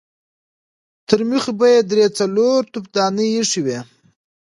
ترمخې به يې درې څلور تفدانۍ اېښې وې.